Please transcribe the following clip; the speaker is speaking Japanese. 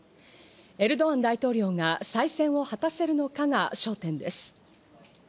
エルドアン大統領が再選を果たせるのかが焦点です。